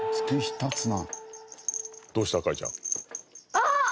あっ！